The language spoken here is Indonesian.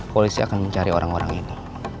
polisi akan mencari orang orang ini